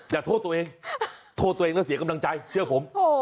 อย่าโทษตัวเองโทษตัวเองแล้วเสียกำลังใจเชื่อผม